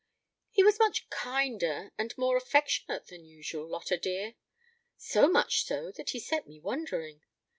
"He was much kinder and more affectionate than usual, Lotta dear; so much so, that he set me wondering.